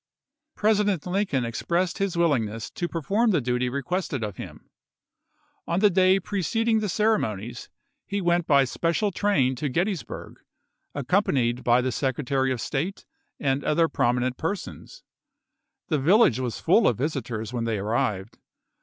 President Lincoln expressed his willingness to perform the duty requested of him. On the day LINCOLN'S GETTYSBUEG ADDRESS 191 preceding the ceremonies he went by special chap.vii. train to Gettysburg, accompanied by the Secretary of State and other prominent persons. The village was full of visitors when they arrived.